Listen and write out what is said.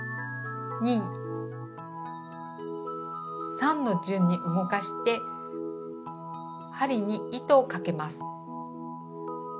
３の順に動かして針に糸をかけます。